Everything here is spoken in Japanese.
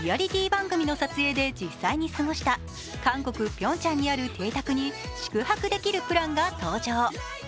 番組の撮影で実際に過ごした韓国・ピョンチャンにある邸宅に宿泊できるプランが登場。